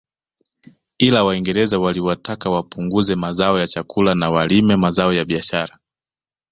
Ila waingereza waliwataka wapunguze mazao ya chakula na walime mazao ya biashara